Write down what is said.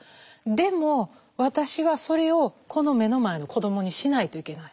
でも私はそれをこの目の前の子どもにしないといけない。